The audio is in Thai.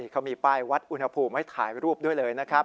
เขามีป้ายวัดอุณหภูมิให้ถ่ายรูปด้วยเลยนะครับ